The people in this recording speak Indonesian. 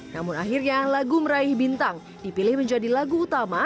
namun akhirnya lagu meraih bintang dipilih menjadi lagu utama